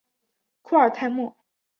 库尔泰莫。